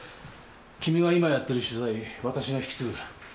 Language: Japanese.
君が今やってる取材私が引き継ぐ。